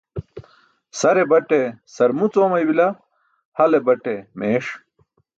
Sare baṭe sarmuc oomaybila, hale bate meeṣ.